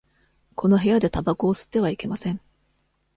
この部屋でたばこを吸ってはいけません。